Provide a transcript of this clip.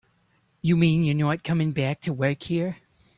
You mean you're not coming back to work here?